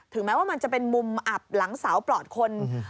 แม้ว่ามันจะเป็นมุมอับหลังเสาปลอดคน